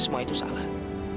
semua itu salah